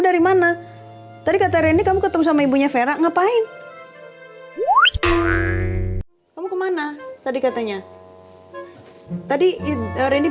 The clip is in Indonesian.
dari mana tadi kata rendy kamu ketemu sama ibunya vera ngapain kamu kemana tadi katanya tadi rendy